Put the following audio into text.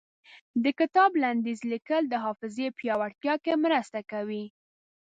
د کتاب لنډيز ليکل د حافظې پياوړتيا کې مرسته کوي.